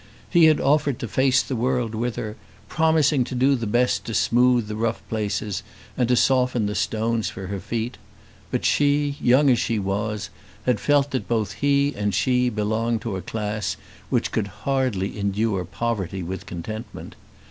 He had offered to face the world with her, promising to do the best to smooth the rough places, and to soften the stones for her feet. But she, young as she was, had felt that both he and she belonged to a class which could hardly endure poverty with contentment.